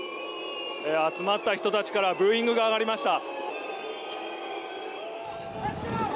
集まった人たちからブーイングが上がりました。